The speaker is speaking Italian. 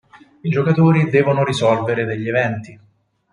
I giocatori devono risolvere degli eventi.